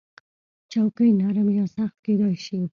چوکۍ نرم یا سخت کېدای شي.